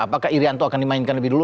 apakah irianto akan dimainkan lebih dulu